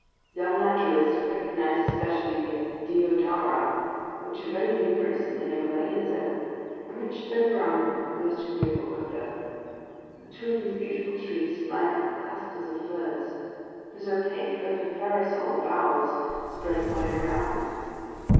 The young naturalist recognized especially the "deedara," which are very numerous in the Himalayan zone, and which spread around them a most agreeable odor. Between these beautiful trees sprang up clusters of firs, whose opaque open parasol boughs spread wide around.